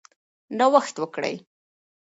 نوښت وکړئ.